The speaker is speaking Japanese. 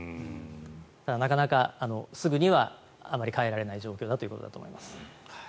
なかなかすぐにはあまり変えられない状況だということだと思います。